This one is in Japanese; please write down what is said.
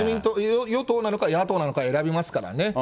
与党なのか、野党なのか選びますからね。